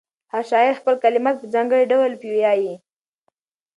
هر شاعر خپل کلمات په ځانګړي ډول پیوياي.